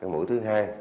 mối thứ hai